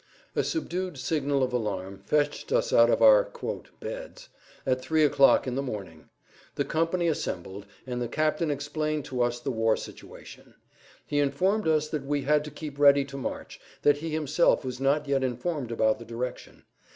A subdued signal of alarm fetched us out of our "beds" at 3 o'clock in the morning. The company assembled, and the captain explained to us the war situation. He informed us that we had to keep ready to march, that he himself was not yet informed about the direction.